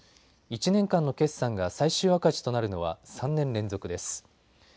１年間の決算が最終赤字となるのは３年連続です。